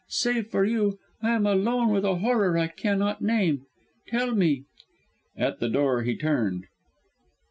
Save for you, I am alone with a horror I cannot name. Tell me " At the door, he turned.